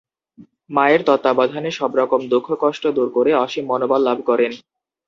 মায়ের তত্ত্বাবধানে সবরকম দুঃখ কষ্ট দূর করে অসীম মনোবল লাভ করেন।